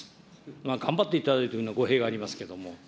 頑張っていただいているというのは語弊がありますけれども。